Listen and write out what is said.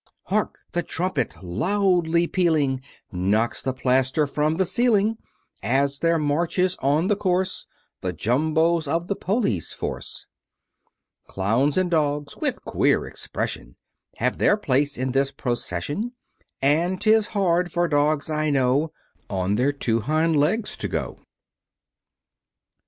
Hark, the trumpet loudly pealing Knocks the plaster from the ceiling, As there marches on the course The Jumbos of the police force. Clowns, and Dogs with queer expression Have their place in this procession; And 'tis hard for dogs, I know, On their two hind legs to go.